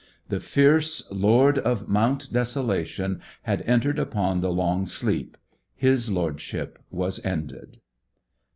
The fierce lord of Mount Desolation had entered upon the long sleep; his lordship was ended.